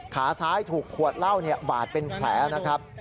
ขาซ้ายถูกขวดเหล้าบาดเป็นแผลนะครับ